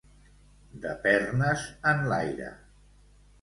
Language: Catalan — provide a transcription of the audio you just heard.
De pernes enlaire.